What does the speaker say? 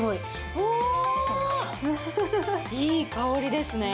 おおー、いい香りですね。